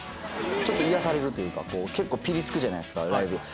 ちょっと癒やされるというか結構ピリつくじゃないですかライブ。